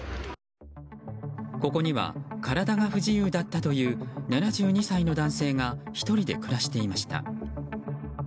ここには体が不自由だったという７２歳の男性が１人で暮らしていました。